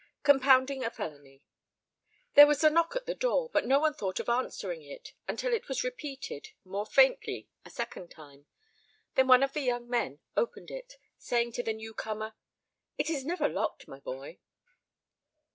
_ Compounding a Felony There was a knock at the door, but no one thought of answering it until it was repeated more faintly, a second time then one of the young men opened it, saying to the newcomer, "It is never locked, my boy."